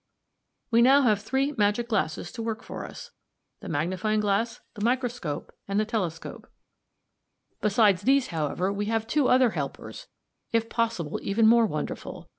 "We have now three magic glasses to work for us the magnifying glass, the microscope, and the telescope. Besides these, however, we have two other helpers, if possible even more wonderful.